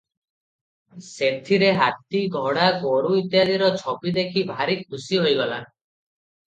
ସେଥିରେ ହାତୀ, ଘୋଡ଼ା, ଗୋରୁ ଇତ୍ୟାଦିର ଛବି ଦେଖି ଭାରି ଖୁସି ହୋଇଗଲା ।